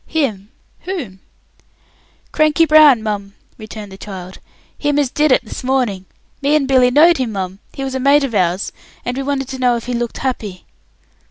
"Him! Whom?" "Cranky Brown, mum," returned the child; "him as did it this morning. Me and Billy knowed him, mum; he was a mate of ours, and we wanted to know if he looked happy."